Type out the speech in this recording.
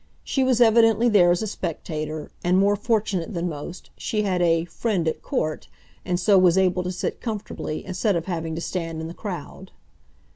She was evidently there as a spectator, and, more fortunate than most, she had a "friend at court," and so was able to sit comfortably, instead of having to stand in the crowd.